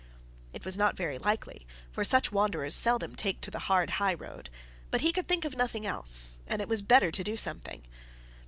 It was not very likely, for such wanderers seldom take to the hard high road; but he could think of nothing else, and it was better to do something.